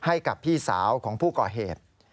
ให้กับพี่สาวของผู้ก่อเหตุ